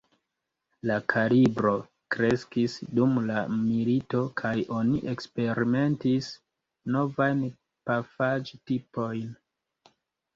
La kalibro kreskis dum la milito kaj oni eksperimentis novajn pafaĵ-tipojn.